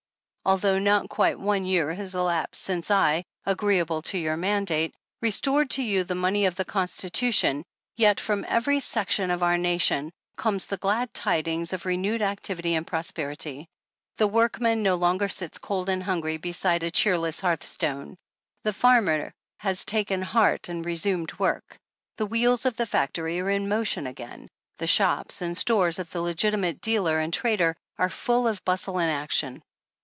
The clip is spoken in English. Although not quite one year has elapsed since I, agreeable to your mandate, restored to you the money of the Constitution, yet from every section of our Union comes the glad tidings of re newed activity and prosperit3\ The workingman no longer sits cold and hungry beside a cheerless hearthstone ; the farmer has taken heart and re sumed work ; the wheels of the factory are in motion again ; the shops and stores of the legitimate dealer and trader are full of bustle and action.